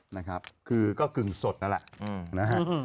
นะครับคือก็กึ่งสดนั่นแหละนะฮะ